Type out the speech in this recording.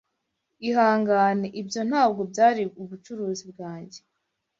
Ihangane, ibyo ntabwo byari ubucuruzi bwanjye.